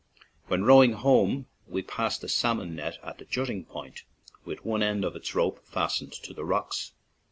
When rowing home we passed a salmon net at a jutting point, with one end of its rope fastened to the rocks.